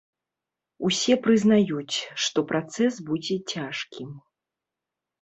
Усе прызнаюць, што працэс будзе цяжкім.